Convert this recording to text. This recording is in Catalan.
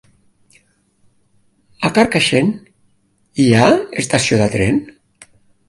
A Carcaixent hi ha estació de tren?